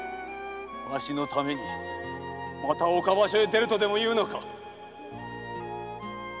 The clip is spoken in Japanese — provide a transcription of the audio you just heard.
〔わしのためにまた岡場所へ出るとでもいうのか〕